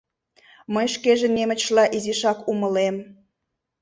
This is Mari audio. Мый шкеже немычла изишак умылем.